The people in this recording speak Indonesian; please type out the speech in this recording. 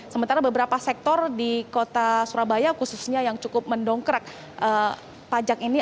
sementara beberapa sektor di kota surabaya khususnya yang cukup mendongkrak pajak ini